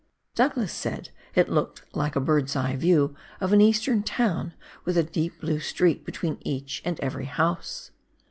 Douglas said it looked like a bird's eye view of an Eastern town, with a deep blue street between each and every house.